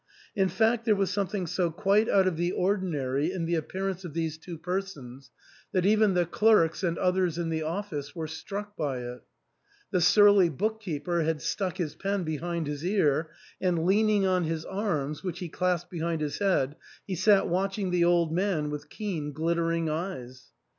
In fact there was something so c\viit^ owl ol 'Oc^^ ^x^ 338 ARTHUR* S HALL, nary in the appearance of these two persons that even the clerks and others in the oflSce were struck by it. The surly book keeper had stuck his pen behind his ear, and leaning on his arms, which he clasped behind his head, he sat watching the old man with keen glit tering eyes.